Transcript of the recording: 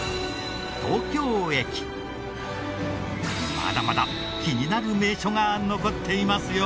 まだまだ気になる名所が残っていますよ。